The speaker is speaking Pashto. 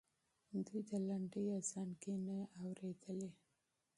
دوی د لنډۍ ازانګې نه اورېدلې.